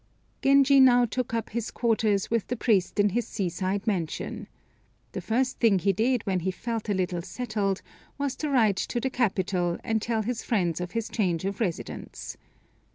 Genji now took up his quarters with the priest in this seaside mansion. The first thing he did when he felt a little settled was to write to the capital, and tell his friends of his change of residence.